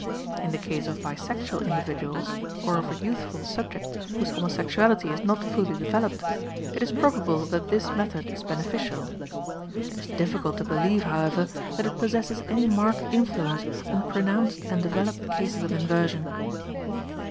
In the case of bisexual individuals, or of youthful subjects whose homosexuality is not fully developed, it is probable that this method is beneficial. It is difficult to believe, however, that it possesses any marked influence on pronounced and developed cases of inversion.